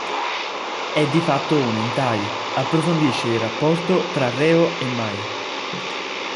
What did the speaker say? È di fatto un hentai, approfondisce il rapporto tra Reo e Mai.